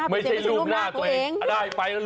ไม่ใช่รูปหน้าตัวเอง